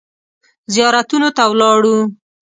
زیارتونو ته ولاړو.